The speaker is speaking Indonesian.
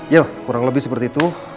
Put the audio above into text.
ya kurang lebih seperti itu